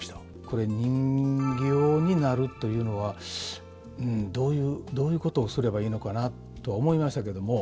これ人形になるというのはどういうことをすればいいのかなと思いましたけども。